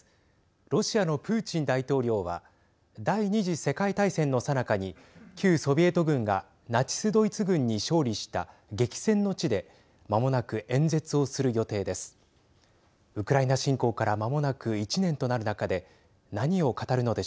ロシアのプーチン大統領は第２次世界大戦のさなかに旧ソビエト軍がナチス・ドイツ軍に勝利した激戦の地でまもなく演説をする予定です。